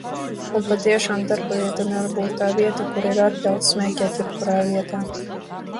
Un patiešām darbavieta nevar būt tā vieta, kur ir atļauts smēķēt jebkurā vietā.